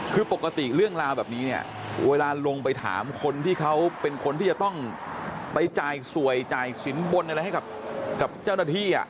คือปกติเรื่องราวแบบนี้เนี่ยเวลาลงไปถามคนที่เขาเป็นคนที่จะต้องไปจ่ายสวยจ่ายสินบนอะไรให้กับเจ้าหน้าที่